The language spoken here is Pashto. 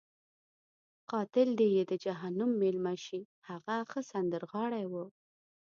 قاتل دې یې د جهنم میلمه شي، هغه ښه سندرغاړی وو.